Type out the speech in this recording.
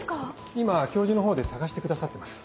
今教授の方で探してくださってます。